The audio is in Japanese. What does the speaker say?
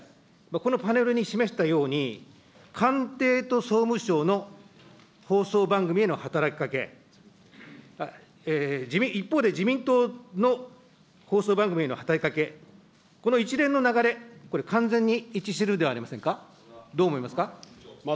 このパネルに示したように、官邸と総務省の放送番組への働きかけ、一方で自民党の放送番組への働きかけ、この一連の流れ、これ完全に一致しているのではありませんか、どう思いますか。